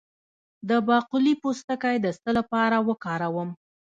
د باقلي پوستکی د څه لپاره وکاروم؟